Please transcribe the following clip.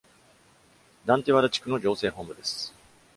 ダンテワダ地区の行政本部です。